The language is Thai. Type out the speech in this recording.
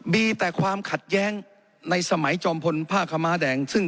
มีแต่ความขัดแย้งในสมัยจอมพลผ้าขม้าแดงซึ่ง